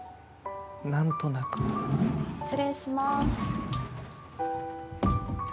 なんとなく失礼します。